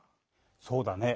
そうだね。